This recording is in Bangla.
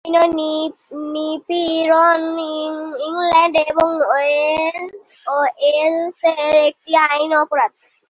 যৌন নিপীড়ন ইংল্যান্ড এবং ওয়েলসের একটি আইনি অপরাধ।